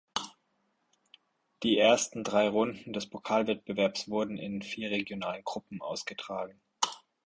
Die ersten drei Runden des Pokalwettbewerbs wurden in vier regionalen Gruppen ausgetragen.